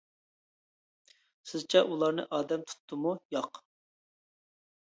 سىزچە ئۇلارنى ئادەم تۇتتىمۇ؟ ياق!